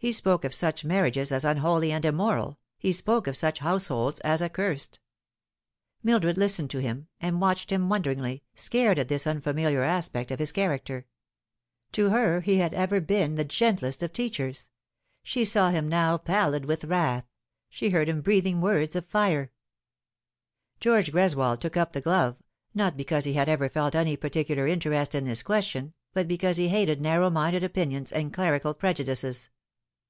He spoke of such marriages as unholy and immoral, he spoke of such households as accursed. Mildred listened to him, and watched him wonderingly, scared at this unfamiliar aspect oE liis character. To her he had ever been the gentlest of teachers ; i he saw him now pallid with wrath she heard him breathing v/ords of fire. George Greswold took up the glove, not because he had ever felt any particular interest in this question, but because he hated narrow minded opinions and clerical prejudices.